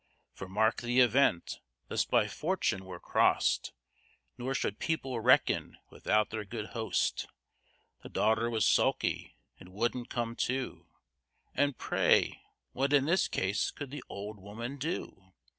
For mark the event; thus by fortune we're crossed, Nor should people reckon without their good host; The daughter was sulky, and wouldn't come to, And pray, what in this case could the old woman do?